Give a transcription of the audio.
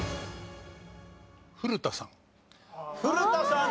古田さん